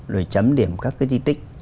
rồi chấm điểm các cái di tích